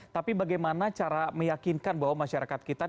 tapi bagaimana cara meyakinkan bahwa masyarakat kita